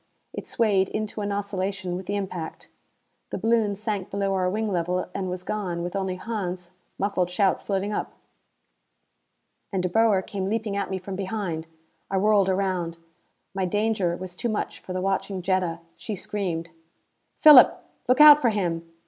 It swayed into an oscillation with the impact. The balloon sank below our wing level and was gone, with only Hans, muffled shouts floating up. And De Boer came leaping at me from behind. I whirled around. My danger was too much for the watching Jetta. She screamed. "Philip, look out for him!"